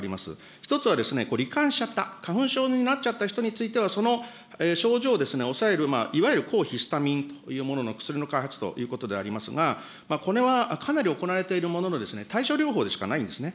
１つはこれ、り患しちゃった、花粉症になっちゃった人については、その症状を抑える、いわゆる抗ヒスタミンというものの薬の開発ということでありますが、これはかなり行われているものの、対症療法でしかないんですね。